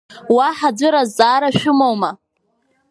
Уаҳа аӡәыр зҵаара шәымоума?